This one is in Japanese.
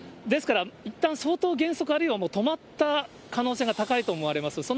ですから、いったん、相当減速、あるいは止まった可能性が高いと思われます。